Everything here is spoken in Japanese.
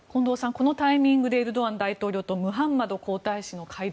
このタイミングでエルドアン大統領とムハンマド皇太子の会談。